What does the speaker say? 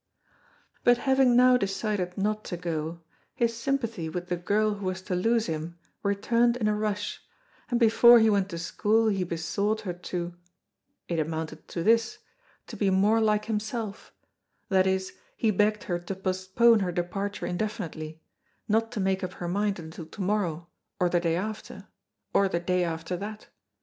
But having now decided not to go, his sympathy with the girl who was to lose him returned in a rush, and before he went to school he besought her to it amounted to this, to be more like himself; that is, he begged her to postpone her departure indefinitely, not to make up her mind until to morrow or the day after or the day after that.